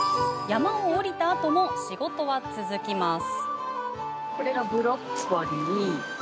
山を下りたあとも仕事は続きます。